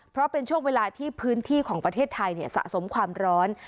เพราะเป็นช่วงเวลาที่พื้นที่ของประเทศไทยสะสมความร้อน